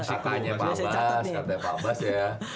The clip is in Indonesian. katanya pak bas ya